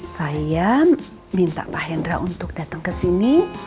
saya minta pak hendra untuk datang ke sini